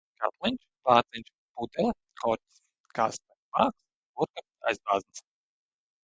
Katliņš, vāciņš. Pudele, korķis. Kaste, vāks. Burka, aizbāznis.